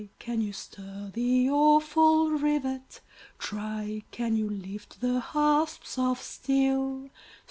can you stir the awful rivet? Try! can you lift the hasps of steel?